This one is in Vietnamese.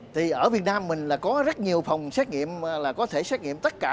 thì ở việt nam mình là có rất nhiều phòng xét nghiệm là có thể xét nghiệm tất cả